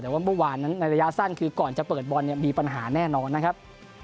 แต่ว่าเมื่อวานนั้นในระยะสั้นคือก่อนจะเปิดบอลเนี่ยมีปัญหาแน่นอนนะครับ